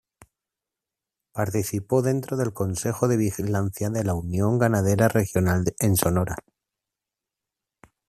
Participó dentro del Consejo de Vigilancia de la Unión Ganadera Regional en Sonora.